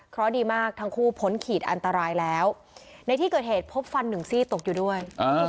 เพราะดีมากทั้งคู่พ้นขีดอันตรายแล้วในที่เกิดเหตุพบฟันหนึ่งซี่ตกอยู่ด้วย